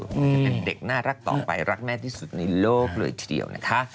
จะเป็นเด็กน่ารักต่อไปรักแม่ที่สุดในโลกเลยทีเดียวนะคะ